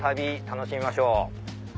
楽しみましょう。